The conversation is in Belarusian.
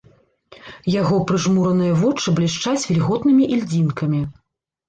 Яго прыжмураныя вочы блішчаць вільготнымі ільдзінкамі.